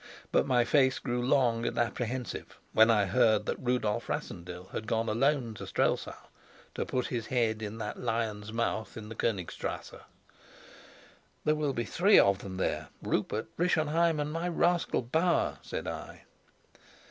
But my face grew long and apprehensive when I heard that Rudolf Rassendyll had gone alone to Strelsau to put his head in that lion's mouth in the Konigstrasse. "There will be three of them there Rupert, Rischenheim, and my rascal Bauer," said I.